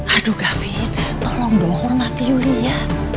aduh kavin tolong dong hormati yulia